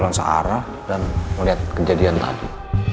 dengan searah dan melihat kejadian tadi